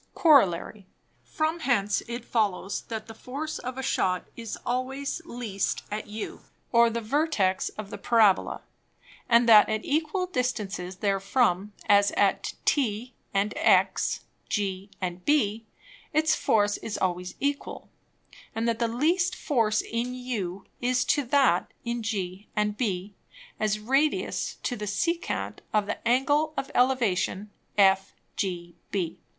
Corollary. From hence it follows, that the force of a Shot is always least at U, or the Vertex of the Parabola, and that at equal distances therefrom, as at T and X, G and B its force is always equal, and that the least force in U is to that in G and B, as Radius to the Secant of the Angle of Elevation FGB.